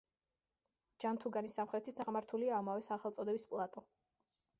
ჯანთუგანის სამხრეთით აღმართულია ამავე სახელწოდების პლატო.